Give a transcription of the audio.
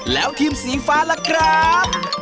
แล้วทีมสีฟ้าล่ะครับ